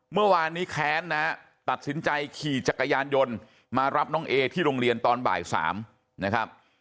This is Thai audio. เมื่อวานนี้แค้นนะฮะตัดสินใจขี่จักรยานยนต์มารับน้องเอที่โรงเรียนตอนบ่าย๓นะครับ